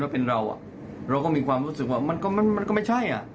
ว่าเป็นเราอ่ะเราก็มีความรู้สึกว่ามันก็มันก็ไม่ใช่